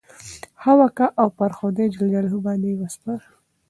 ښه وکه! او پر خدای جل جلاله باندي ئې وسپاره.